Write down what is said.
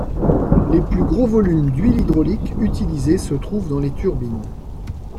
Les plus gros volumes d’huile hydraulique utilisés se trouvent dans les turbines.